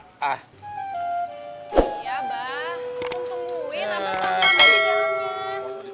iya mba tungguin abang ntar ntar ntar ntar